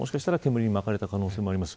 火にまかれた可能性もあります。